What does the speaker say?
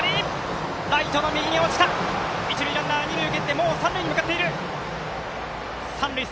一塁ランナー、二塁を蹴って三塁へ向かっている。